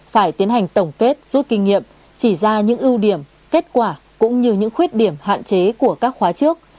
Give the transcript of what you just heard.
phải tiến hành tổng kết rút kinh nghiệm chỉ ra những ưu điểm kết quả cũng như những khuyết điểm hạn chế của các khóa trước